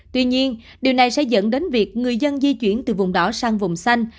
tuy nhiên điều này sẽ dẫn đến việc người dân di chuyển từ vùng đỏ sang vùng xanh